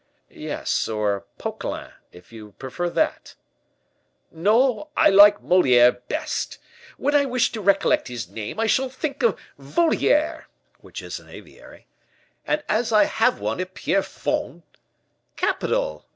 "Yes; or Poquelin, if you prefer that." "No; I like Moliere best. When I wish to recollect his name, I shall think of voliere [an aviary]; and as I have one at Pierrefonds " "Capital!"